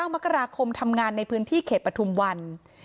มกราคมทำงานในพื้นที่เขตปฐุมวัน